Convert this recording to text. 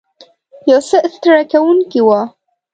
یو څه ستړې کوونکې وه.